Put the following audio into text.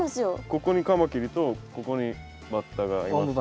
ここにカマキリとここにバッタがいます。